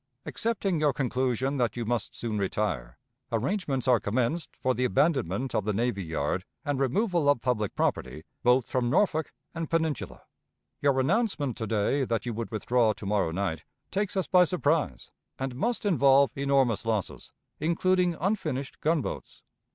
"Accepting your conclusion that you must soon retire, arrangements are commenced for the abandonment of the navy yard and removal of public property both from Norfolk and Peninsula. Your announcement to day that you would withdraw to morrow night takes us by surprise, and must involve enormous losses, including unfinished gunboats.